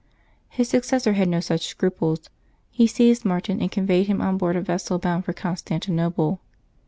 His suc cessor had no such scruples: he seized Martin, and con veyed him on board a vessel bound for Constantinople.